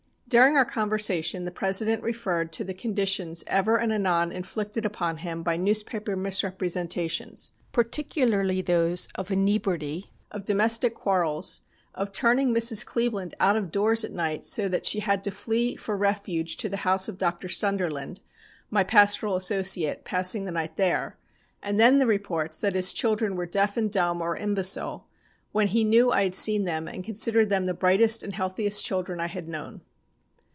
"During our conversation the President referred to the conditions ever and anon inflicted upon him by newspaper misrepresentations, particularly those of inebriety, of domestic quarrels, of turning Mrs. Cleveland out of doors at night so that she had to flee for refuge to the house of Dr. Sunderland, my pastoral associate, passing the night there; and then the reports that his children were deaf and dumb, or imbecile, when he knew I had seen them and considered them the brightest and healthiest children I had known.